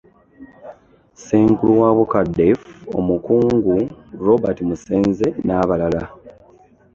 Ssenkulu wa BUCADEF Omukungu Robert Musenze n'abalala.